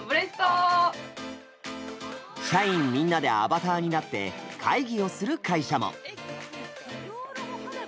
社員みんなでアバターになって会議をする会社も。